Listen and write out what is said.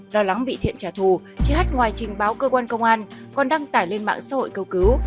lo lắng bị thiện trả thù chị ht ngoài trình báo cơ quan công an còn đăng tải lên mạng xã hội cầu cứu